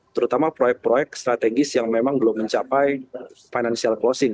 terutama proyek proyek strategis yang memang belum mencapai financial closing